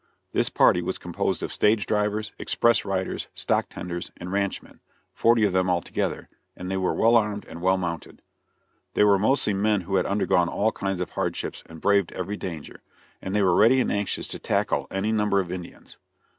This party was composed of stage drivers, express riders, stock tenders, and ranchmen forty of them altogether and they were well armed and well mounted. They were mostly men who had undergone all kinds of hardships and braved every danger, and they were ready and anxious to "tackle" any number of Indians.